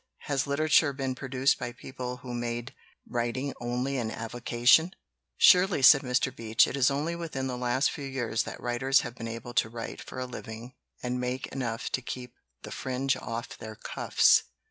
"Has literature been produced by peo ple who made writing only an avocation?" "Surely," said Mr. Beach. "It is only within the last few years that writers have been able to write for a living and make enough to keep the fringe off their cuffs."